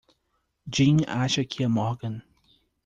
Jim acha que é Morgan.